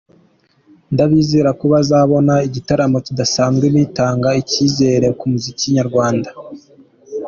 Ndabizeza ko bazabona igitaramo kidasanzwe, bitanga icyizere ku muziki nyarwanda.